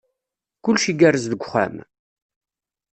Kullec igerrez deg uxxam?